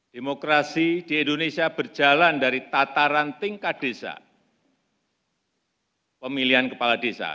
demokrasi di indonesia berjalan dari tataran tingkat desa pemilihan kepala desa